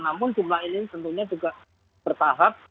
namun jumlah ini tentunya juga bertahap